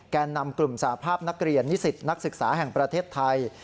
แก่นำกลุ่มสาภาพนักเรียนนิสิตนักศึกษาแห่งประเทศไทย